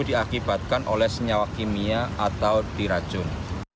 diakibatkan oleh senyawa kimia atau diracun